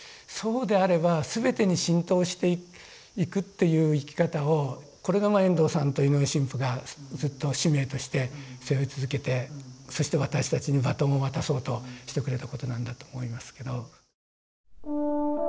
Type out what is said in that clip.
そうであれば全てに浸透していくっていう生き方をこれが遠藤さんと井上神父がずっと使命として背負い続けてそして私たちにバトンを渡そうとしてくれたことなんだと思いますけど。